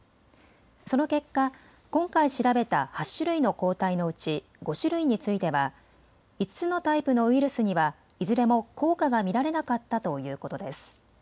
その結果、今回調べた８種類の抗体のうち５種類については５つのタイプのウイルスにはいずれも効果が見られなかったということです。